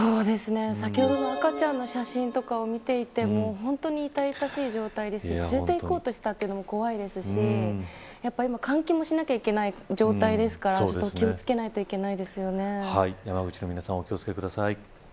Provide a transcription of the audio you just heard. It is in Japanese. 先ほどの赤ちゃんの写真を見ていても本当に痛々しい状態ですし連れていこうとしたというのも怖いですし今は換気もしないといけない状態ですから、気を付けないと山口市の皆さんお気を付けください。